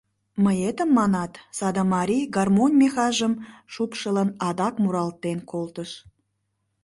Мыетым манат? — саде марий, гармонь мехажым шупшылын, адак муралтен колтыш: